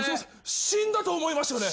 死んだと思いましたよね？